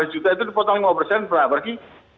lima belas juta itu dipotong lima persen berarti